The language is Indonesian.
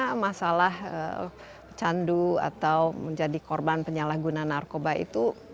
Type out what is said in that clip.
karena masalah candu atau menjadi korban penyalahguna narkoba itu